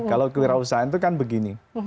kalau kewirausahaan itu kan begini